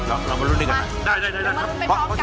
โอ้โหสุขแช้นมากเลยค่ะคุณครอบ